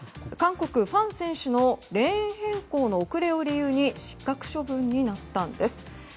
韓国、ファン選手のレーン変更の遅れを理由に失格処分になったんです。